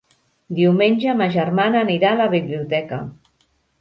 Diumenge ma germana anirà a la biblioteca.